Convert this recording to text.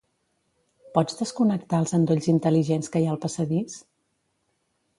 Pots desconnectar els endolls intel·ligents que hi ha al passadís?